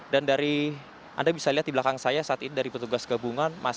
dan dari anda bisa lihat di belakang saya saat ini dari petugas gabungan